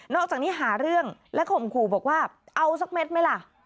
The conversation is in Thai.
จากนี้หาเรื่องและข่มขู่บอกว่าเอาสักเม็ดไหมล่ะ